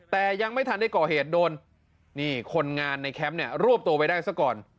แต่ยังไม่ทันได้ก่อเหตุโดนนี่คนงานในแคมป์เนี่ยรวบตัวไว้ได้ซะก่อน